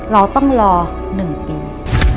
เราต้องรอ๑ปี